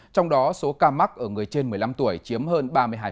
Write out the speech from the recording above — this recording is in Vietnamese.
trong đó số ca mắc ở người trên một mươi năm tuổi chiếm hơn ba mươi hai